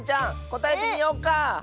こたえてみようか！